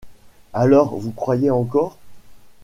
Alors, vous croyez encore. ..